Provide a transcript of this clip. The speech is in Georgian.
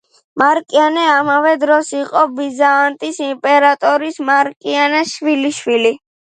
მარკიანე, ამავე დროს, იყო ბიზანტიის იმპერატორ მარკიანეს შვილიშვილი.